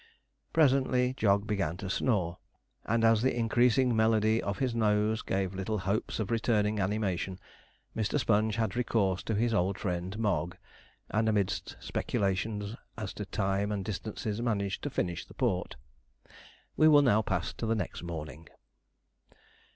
Presently Jog began to snore, and as the increasing melody of his nose gave little hopes of returning animation, Mr. Sponge had recourse to his old friend Mogg and amidst speculations as to time and distances, managed to finish the port. We will now pass to the next morning.